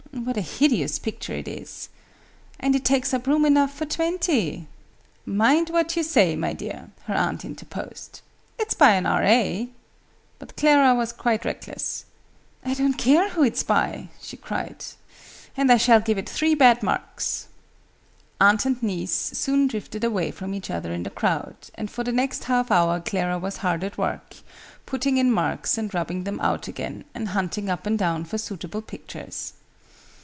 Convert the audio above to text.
What a hideous picture it is! And it takes up room enough for twenty!" "Mind what you say, my dear!" her aunt interposed. "It's by an R.A.!" But Clara was quite reckless. "I don't care who it's by!" she cried. "And I shall give it three bad marks!" Aunt and niece soon drifted away from each other in the crowd, and for the next half hour Clara was hard at work, putting in marks and rubbing them out again, and hunting up and down for suitable pictures.